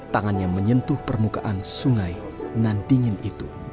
tangannya menyentuh permukaan sungai nan dingin itu